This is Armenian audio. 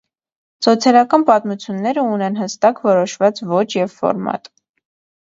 Սոցիալական պատմությունները ունեն հատուկ որոշված ոճ և ֆորմատ։